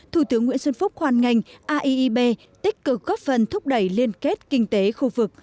thủ tướng nguyễn xuân phúc hoàn ngành aiep tích cực góp phần thúc đẩy liên kết kinh tế khu vực